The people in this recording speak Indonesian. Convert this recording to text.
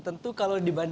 selamat siang fani